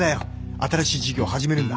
新しい事業始めるんだ